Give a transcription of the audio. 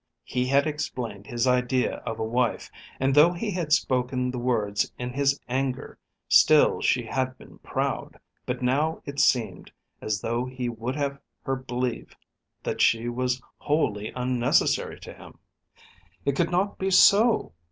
He had explained his idea of a wife, and though he had spoken the words in his anger, still she had been proud. But now it seemed as though he would have her believe that she was wholly unnecessary to him. It could not be so.